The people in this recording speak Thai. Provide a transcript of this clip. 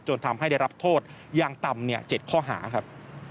ทำให้ได้รับโทษอย่างต่ำ๗ข้อหาครับ